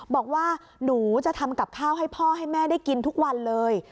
บอกว่าหนูจะทำกับข้าวให้พ่อให้แม่ได้กินทุกวันเลย